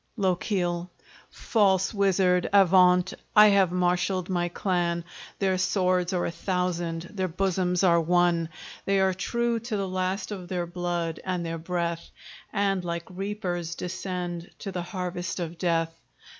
LOCHIEL False Wizard, avaunt! I have marshaled my clan; Their swords are a thousand, their bosoms are one! They are true to the last of their blood and their breath, And like reapers descend to the harvest of death.